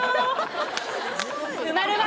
「生まれは」